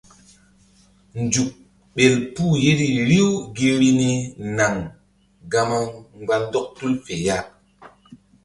Nzuk ɓel puh yeri riw gi vbi ni naŋ gama mgba ndɔk tul fe ya.